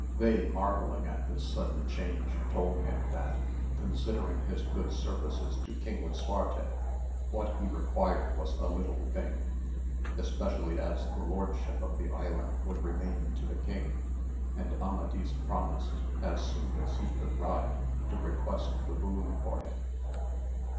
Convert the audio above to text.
They marvelling at this sudden change told him that, Considering his good services to king Lisuarte, what he required was a little thing, especially as the Lordship of the Island would remain to the king, and Amadis promised, as soon as he could ride, to request the boon for him.